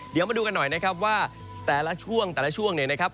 เดี๋ยวมาดูกันหน่อยนะครับว่าแต่ละช่วงแต่ละช่วงเนี่ยนะครับ